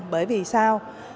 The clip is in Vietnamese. bởi vì sao